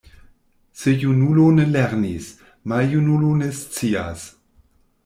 Se junulo ne lernis, maljunulo ne scias.